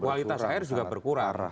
kualitas air juga berkurang